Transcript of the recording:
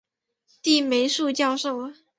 李梅树教授